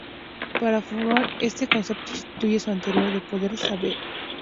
Para Foucault este concepto substituye su anterior de poder-saber.